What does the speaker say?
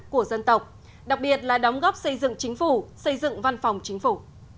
của dân tộc đặc biệt là đóng góp xây dựng chính phủ xây dựng văn phòng chính phủ